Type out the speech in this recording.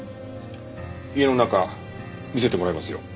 家の中見せてもらいますよ。